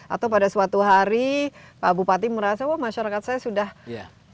atau pada suatu hari pak bupati merasa masyarakat saya sudah bisa lah mengelola